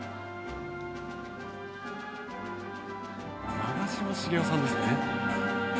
長嶋茂雄さんですね。